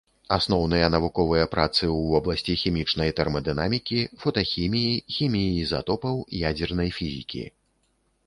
Асноўныя навуковыя працы ў вобласці хімічнай тэрмадынамікі, фотахіміі, хіміі ізатопаў, ядзернай фізікі.